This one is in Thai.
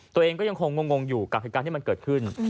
ตัวเองก็ยังคงงงอยู่กับเหตุการณ์ที่มันเกิดขึ้น